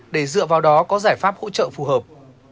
để dựa vào đó có giải pháp hỗ trợ phù hợp